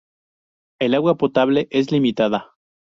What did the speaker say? El agua potable es limitada.